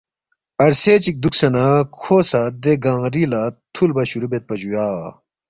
عرصے چِک دُوکسے نہ کھو سہ دے گنگ ری لہ تُھولبا شروع بیدپا جُویا